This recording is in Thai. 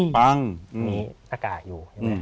ละก่าอยู่